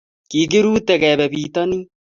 kikirute kebe bitonin